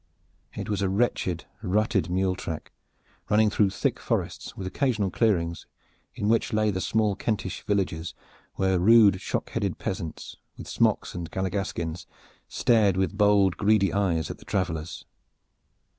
It was a wretched, rutted mule track running through thick forests with occasional clearings in which lay the small Kentish villages, where rude shock headed peasants with smocks and galligaskins stared with bold, greedy eyes at the travelers.